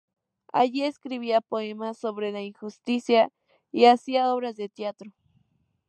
Allí escribía poemas sobre la injusticia y hacía obras de teatro.